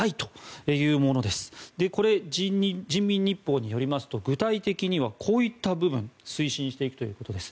これは人民日報によりますと具体的にはこういった部分を推進しているということです。